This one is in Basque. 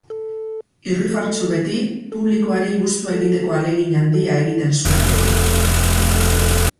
Irrifartsu beti, publikoari gustua egiteko ahalegin handia egiten zuen beti.